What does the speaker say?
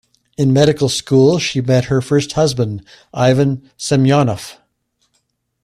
In medical school she met her first husband, Ivan Semyonov.